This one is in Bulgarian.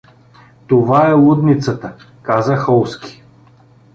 — Това е лудницата — каза Холски.